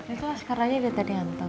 itu lah sekarang aja udah tadi ngantong